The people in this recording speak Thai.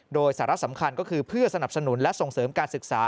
โดยสาระสำคัญก็คือเพื่อสนับสนุนและส่งเสริมการศึกษา